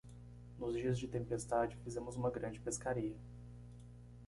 Nos dias de tempestade fizemos uma grande pescaria.